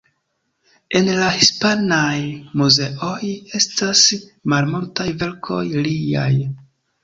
En la hispanaj muzeoj estas malmultaj verkoj liaj.